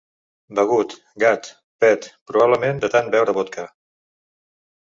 Begut, gat, pet, probablement de tant veure vodka.